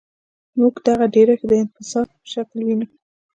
موږ دغه ډیرښت د انبساط په شکل وینو.